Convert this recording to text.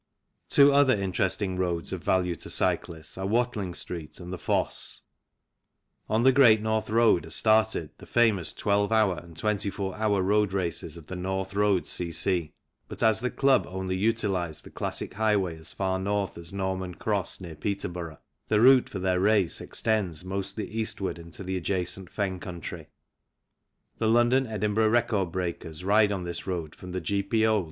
Two other interesting roads of value to cyclists are Watling Street and the Fosse. On the Great North Road are started the famous 12 hr. and 24 hr. road races of the North Road C.C., but as the club only utilize the classic highway as far north as Norman Cross, near Peterborough, the route for their race extends mostly eastward into the adjacent fen country. The London Edinburgh record breakers ride on this road from the G.P.O.